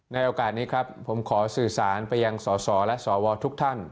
ในโอกาสนี้ครับผมขอสื่อสารไปยังสสและสวทุกท่าน